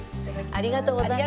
ありがとうございます。